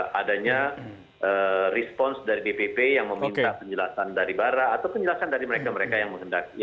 adanya respons dari dpp yang meminta penjelasan dari bara atau penjelasan dari mereka mereka yang menghendaki